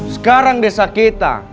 sekarang desa kita